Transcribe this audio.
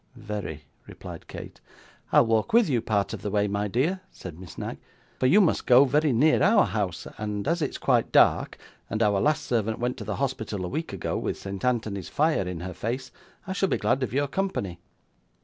'Very,' replied Kate. 'I'll walk with you part of the way, my dear,' said Miss Knag, 'for you must go very near our house; and as it's quite dark, and our last servant went to the hospital a week ago, with St Anthony's fire in her face, I shall be glad of your company.